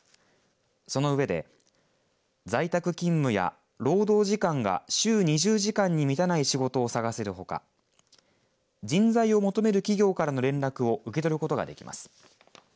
その上で、在宅勤務や労働時間が週２０時間に満たない仕事を探せるほか人材を求める企業からの連絡を受け取ることができます。